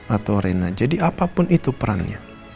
atau rena jadi apapun itu perannya